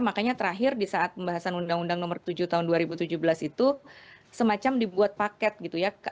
makanya terakhir di saat pembahasan undang undang nomor tujuh tahun dua ribu tujuh belas itu semacam dibuat paket gitu ya